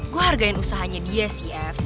gua hargain usahanya dia sih ev